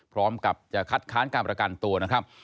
พร้อมกับจะคัดค้านการประกันตัวนะครับ